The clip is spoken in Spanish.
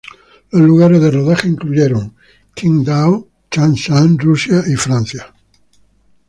Los lugares de rodaje incluyeron Qingdao, Changsha, Rusia y Francia.